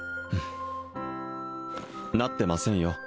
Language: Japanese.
なってませんよ